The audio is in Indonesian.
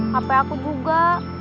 hp aku juga